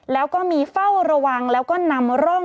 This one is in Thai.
แล้วก็มีเฝ้าระวังแล้วก็นำร่อง